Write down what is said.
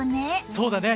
そうだね。